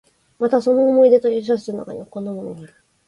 またその「思い出」という小説の中には、こんなのもある。